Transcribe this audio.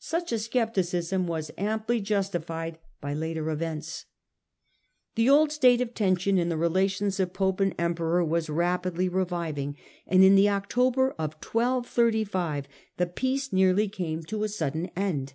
Such a scepticism was amply justified by later events. The old state of tension in the relations of Pope and Emperor was rapidly reviving, and in the October of 1235 the peace nearly came to a sudden end.